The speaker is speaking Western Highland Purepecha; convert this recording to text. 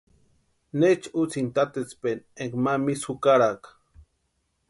¿Neecha úsïnki tatetspeni enka ma misa jukaraka?